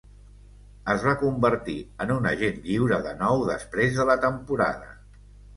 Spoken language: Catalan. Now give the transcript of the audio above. Es va convertir en un agent lliure de nou després de la temporada.